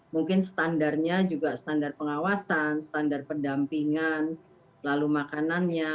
mungkin standarnya juga standar pengawasan standar pendampingan lalu makanannya